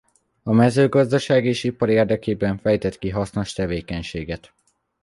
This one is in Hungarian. A mezőgazdaság és ipar érdekében fejtett ki hasznos tevékenységet.